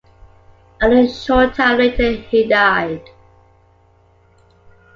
Only a short time later he died.